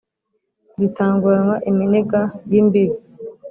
zitanguranwa iminega y' imbibi